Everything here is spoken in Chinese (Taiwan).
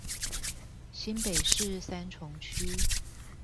新北市三重區